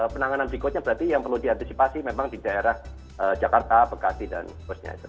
penanganan berikutnya berarti yang perlu diantisipasi memang di daerah jakarta pekasi dan terusnya